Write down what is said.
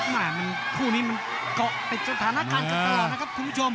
คุณผู้นี้มันเกาะติดจากฐานการกระเตานะครับคุณผู้ชม